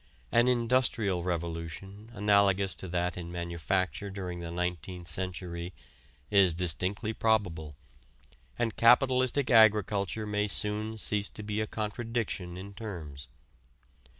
An industrial revolution analogous to that in manufacture during the nineteenth century is distinctly probable, and capitalistic agriculture may soon cease to be a contradiction in terms.